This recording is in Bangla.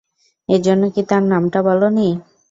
এজন্য কি তার নামটা বলনি?